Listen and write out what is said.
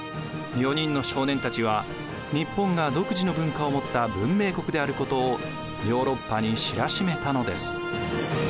４人の少年たちは日本が独自の文化を持った文明国であることをヨーロッパに知らしめたのです。